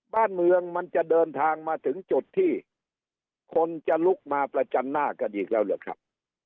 บ้านเมืองมันจะเดินทางมาถึงจุดที่คนจะลุกมาประจันหน้ากันอีกแล้วหรือครับ